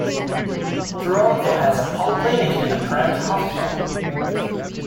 Toronto has a polyclinic and a private hospital.